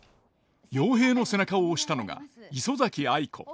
陽平の背中を押したのが磯崎藍子。